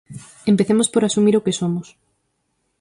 Empecemos por asumir o que somos.